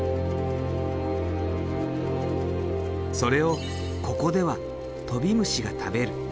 それをここではトビムシが食べる。